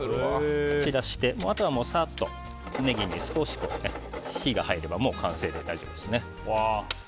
散らしてあとはさーっと少しネギに火が入ればもう完成で大丈夫です。